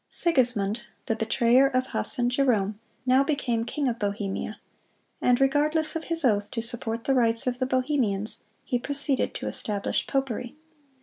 Sigismund, the betrayer of Huss and Jerome, now became king of Bohemia, and regardless of his oath to support the rights of the Bohemians, he proceeded to establish popery.